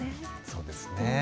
そうですね。